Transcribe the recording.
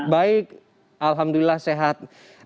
baik alhamdulillah sehat